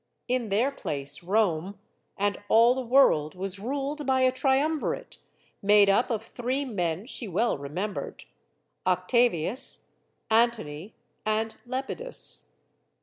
In their place Rome and all the world was ruled by a triumvirate made up of three men she well remembered Octavius, Antony, and Lepidus.